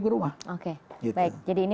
ke rumah baik jadi ini